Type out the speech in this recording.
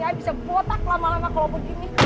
jangan bisa botak lama lama kalau begini